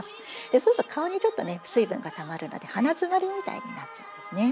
そうすると顔にちょっとね水分がたまるので鼻詰まりみたいになっちゃうんですね。